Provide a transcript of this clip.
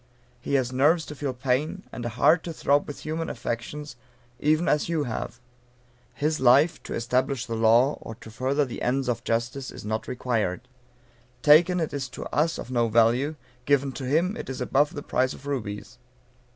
He has nerves to feel pain, and a heart to throb with human affections, even as you have. His life, to establish the law, or to further the ends of justice, is not required. Taken, it is to us of no value; given to him, it is above the price of rubies.